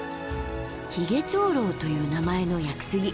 ひげ長老という名前の屋久杉。